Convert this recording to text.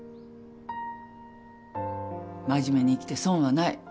真面目に生きて損はない。